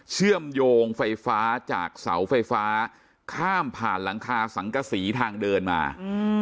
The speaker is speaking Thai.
เชื่อมโยงไฟฟ้าจากเสาไฟฟ้าข้ามผ่านหลังคาสังกษีทางเดินมาอืม